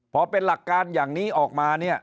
พอเป็นหลักการอย่างนี้ออกมาเนี่ย